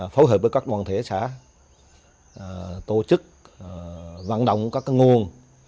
phối hợp với các đoàn thể xã tổ chức vận động các nguồn